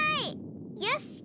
よし！